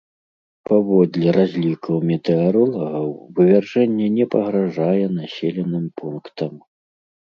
Паводле разлікаў метэаролагаў, вывяржэнне не пагражае населеным пунктам.